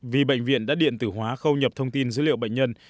vì bệnh viện đã điện tử hóa khâu nhập thông tin dữ liệu bệnh nhân